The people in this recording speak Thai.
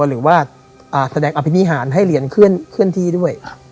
หรือว่าแสดงอภินิหารให้เหรียญเคลื่อนที่ด้วย